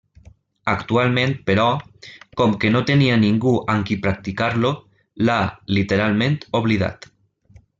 Actualment, però, com que no tenia ningú amb qui practicar-lo, l'ha, literalment, oblidat.